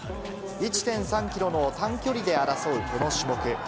１．３キロの短距離で争うこの種目。